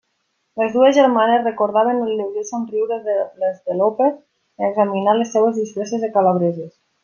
Les dues germanes recordaven el lleuger somriure de les de López en examinar les seues disfresses de calabreses.